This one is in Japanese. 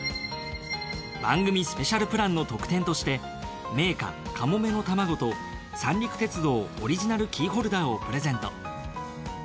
番組スペシャルプランの特典として銘菓かもめのたまごと三陸鉄道オリジナルキーホルダーをプレゼント。